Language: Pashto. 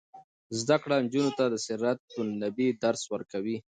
زده کړه نجونو ته د سیرت النبي درس ورکوي.